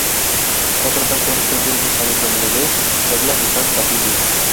Otros autores prefieren usar el nombre de "Reglas de san Basilio".